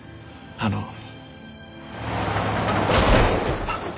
あの。